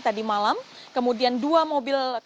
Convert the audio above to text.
tadi malam kemudian dua mobil